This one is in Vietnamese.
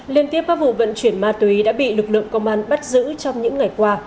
liên tiếp các vụ vận chuyển ma túy đã bị lực lượng công an bắt giữ trong những ngày qua